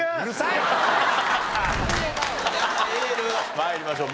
参りましょう。